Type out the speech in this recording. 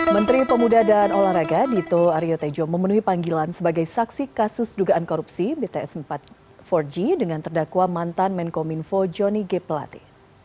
menteri pemuda dan olahraga dito ariotejo memenuhi panggilan sebagai saksi kasus dugaan korupsi bts empat g dengan terdakwa mantan menko minfo johnny g pelati